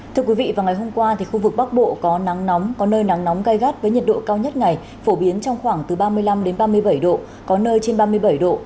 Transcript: thưa quý vị vào ngày hôm qua khu vực bắc bộ có nắng nóng có nơi nắng nóng gai gắt với nhiệt độ cao nhất ngày phổ biến trong khoảng từ ba mươi năm ba mươi bảy độ có nơi trên ba mươi bảy độ